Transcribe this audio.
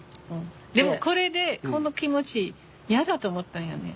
でもこれでこの気持ち嫌だと思ったんよね。